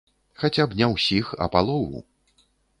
Хаця б не ўсіх, а палову.